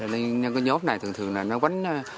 nên cái nhóm này thường thường là nó bánh